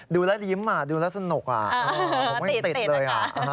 ดูแล้วยิ้มมาดูแล้วสนุกอ่ะผมไม่ติดเลยอ่ะ